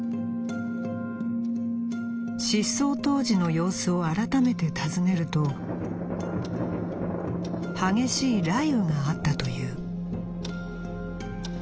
「失踪当時の様子をあらためて尋ねると激しい雷雨があったという」。